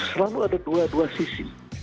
selalu ada dua sisi